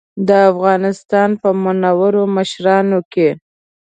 د افغانستان په منورو مشرانو کې.